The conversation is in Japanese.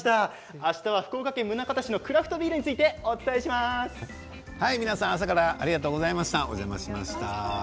あしたは福岡県宗像市のクラフトビールについて皆さん、朝からありがとうございました。